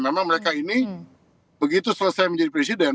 memang mereka ini begitu selesai menjadi presiden